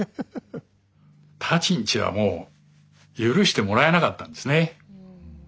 舘んちはもう許してもらえなかったんですね。